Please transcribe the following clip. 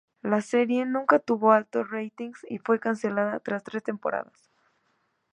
La serie nunca tuvo altos ratings y fue cancelada tras tres temporadas.